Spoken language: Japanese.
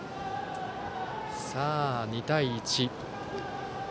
さあ、２対１。